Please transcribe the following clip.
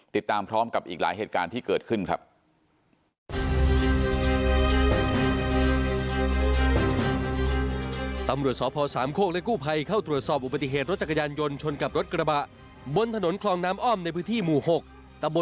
ติดตามพร้อมกับอีกหลายเหตุการณ์ที่เกิดขึ้นครับ